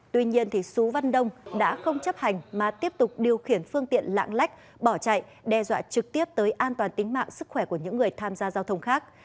tuy nhiên sú văn đông đã không chấp hành mà tiếp tục điều khiển phương tiện lạng lách bỏ chạy đe dọa trực tiếp tới an toàn tính mạng sức khỏe của những người tham gia giao thông khác